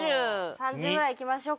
３０ぐらいいきましょうか。